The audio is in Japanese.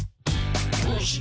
「どうして？